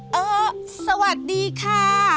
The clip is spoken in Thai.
เออสวัสดีค่ะ